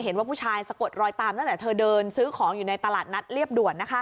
ว่าผู้ชายสะกดรอยตามตั้งแต่เธอเดินซื้อของอยู่ในตลาดนัดเรียบด่วน